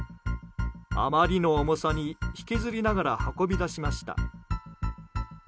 あまりの重さに引きずりながら運び出しました。